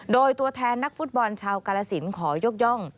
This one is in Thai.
โดยตัวแทนนักฟุตบอลชาวกาลสินขอยกย่อง